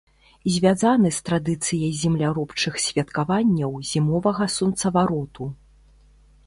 Звязаны з традыцыяй земляробчых святкаванняў зімовага сонцавароту.